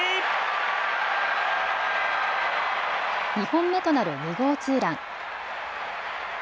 ２本目となる２号ツーラン。